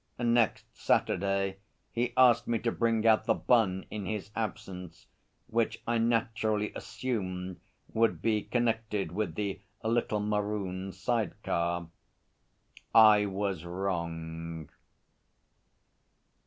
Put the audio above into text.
Next Saturday he asked me to bring out The Bun in his absence, which I naturally assumed would be connected with the little maroon side car. I was wrong.